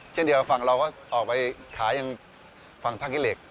เช่นเดียวกับฝั่งเราก็ออกไปขายอย่างฝั่งท่าขี้เหล็ก